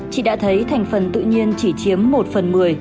chị đã thấy thành phần tự nhiên chỉ chiếm một phần một mươi